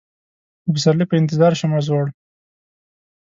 د پسرلي په انتظار شومه زوړ